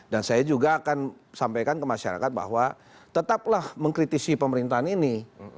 dan saya juga akan sampaikan ke masyarakat bahwa tetaplah mengkritisi pemerintahan ini